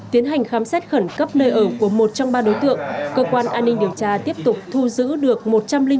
tiến hành khám xét khẩn cấp nơi ở của một trong ba đối tượng cơ quan an ninh điều tra tiếp tục thu giữ được